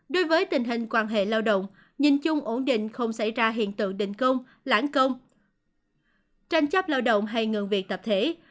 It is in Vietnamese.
đối với tình hình quan hệ lao động nhìn chung ổn định không xảy ra hiện tượng định công lãng công tranh chấp lao động hay ngừng việc tập thể